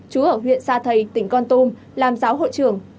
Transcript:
chú ở huyện sa thầy tỉnh con tum làm giáo hội trưởng